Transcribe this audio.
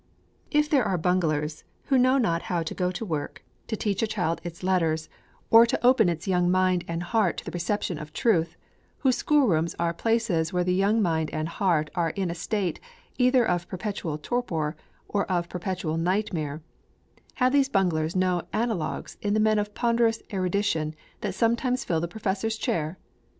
If there are bunglers, who know not how to go to work to teach a child its letters, or to open its young mind and heart to the reception of truth, whose school rooms are places where the young mind and heart are in a state, either of perpetual torpor, or of perpetual nightmare, have these bunglers no analogues in the men of ponderous erudition that sometimes fill the Professor's chair?